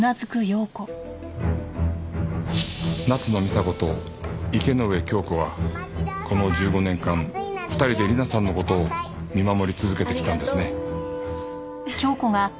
夏野美紗子と池ノ上京子はこの１５年間２人で理奈さんの事を見守り続けてきたんですね。